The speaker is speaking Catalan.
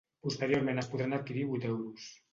Posteriorment es podran adquirir a vuit euros.